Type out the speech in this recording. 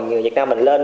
người việt nam mình lên